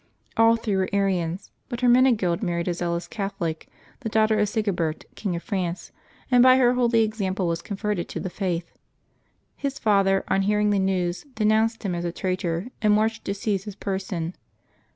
All three were Arians, but Hermenegild married a zealous Catholic, the daughter of Sigebert, King of France, and by her holy example was converted to the faith. His father, on hearing the news, denounced him as a traitor, and marched to seize his person.